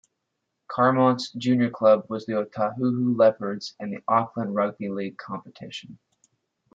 Carmont's junior club was the Otahuhu Leopards in the Auckland Rugby League competition.